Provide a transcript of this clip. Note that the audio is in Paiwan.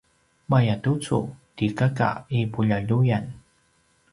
mayatucu ti kaka i puljaljuyan